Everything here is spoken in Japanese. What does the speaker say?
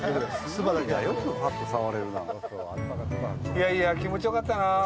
いやいや、気持ちよかったな。